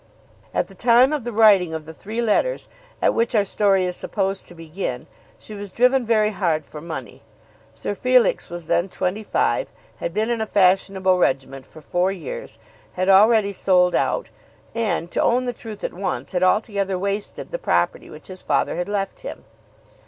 At the time of the writing of the three letters, at which our story is supposed to begin, she was driven very hard for money. Sir Felix was then twenty five, had been in a fashionable regiment for four years, had already sold out, and, to own the truth at once, had altogether wasted the property which his father had left him.